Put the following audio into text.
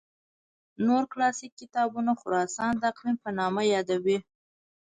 نور کلاسیک کتابونه خراسان د اقلیم په نامه یادوي.